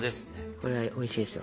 これはおいしいですよ。